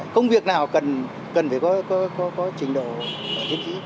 công việc nào cần phải có trình độ tiến sĩ